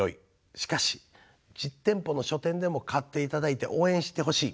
しかし実店舗の書店でも買っていただいて応援してほしい。